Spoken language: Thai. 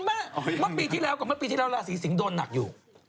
เมื่อปีที่แล้วกับเมื่อปีที่แล้วราศีสิงศ์โดนหนักอยู่